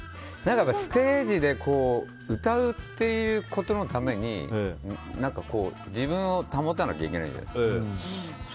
ステージで歌うっていうことのために自分を保たなきゃいけないから。